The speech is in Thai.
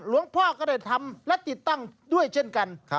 หลวงพ่อก็ได้ทำและติดตั้งด้วยเช่นกัน